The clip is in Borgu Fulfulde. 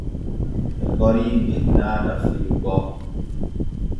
E hori men naata filu bo.